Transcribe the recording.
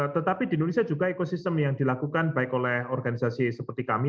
tetapi di indonesia juga ekosistem yang dilakukan baik oleh organisasi seperti kami